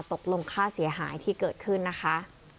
ตกลงค่าเสียหายที่เกิดขึ้นนะคะ